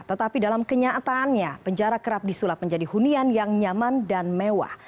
tetapi dalam kenyataannya penjara kerap disulap menjadi hunian yang nyaman dan mewah